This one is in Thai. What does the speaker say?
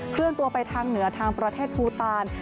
เลื่อนตัวไปทางเหนือทางประเทศภูตาล